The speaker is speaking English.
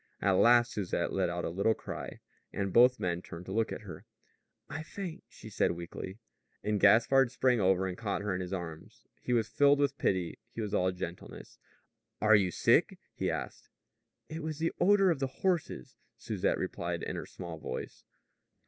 At last Susette let out a little cry, and both men turned to look at her. "I faint," she said weakly. And Gaspard sprang over and caught her in his arms. He was filled with pity. He was all gentleness. "Are you sick?" he asked. "It was the odor of the horses," Susette replied in her small voice.